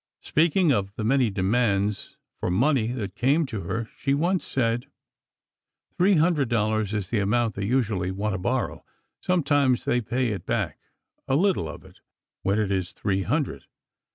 Speaking of the many demands for money that came to her, she once said: "Three hundred dollars is the amount they usually want to borrow. Sometimes they pay it back—a little of it—when it is three hundred.